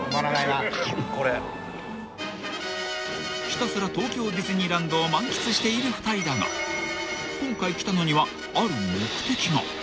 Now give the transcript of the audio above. ［ひたすら東京ディズニーランドを満喫している２人だが今回来たのにはある目的が］